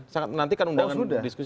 sangat menantikan undangan diskusi